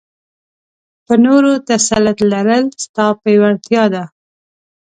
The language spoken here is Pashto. په نورو تسلط لرل؛ ستا پياوړتيا ده.